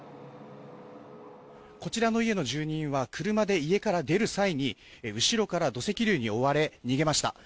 こちらの家の住人は車で家から出る際に後ろから土石流に追われ逃げました。